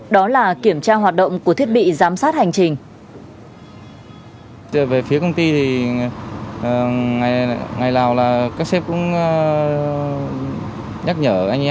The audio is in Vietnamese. đó là kiểm tra hoạt động của thiết bị giám sát hành trình